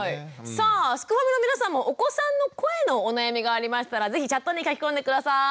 さあすくファミの皆さんもお子さんの声のお悩みがありましたら是非チャットに書き込んで下さい。